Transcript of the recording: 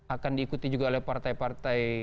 akan diikuti juga oleh partai partai